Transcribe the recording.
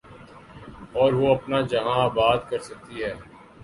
اور وہ اپنا جہاں آباد کر سکتی ہے۔